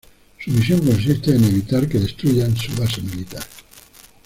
Su misión consiste en evitar que destruyan su base militar.